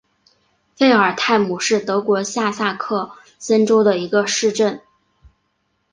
费尔泰姆是德国下萨克森州的一个市镇。